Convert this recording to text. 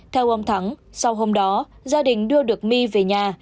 theo ông thắng sau hôm đó gia đình đưa được my về nhà